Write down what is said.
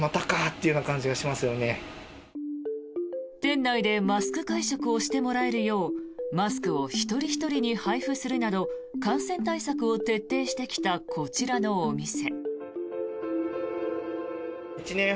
店内でマスク会食をしてもらえるようマスクを一人ひとりに配布するなど感染対策を徹底してきたこちらのお店。